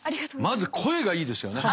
まず声がいいですよね。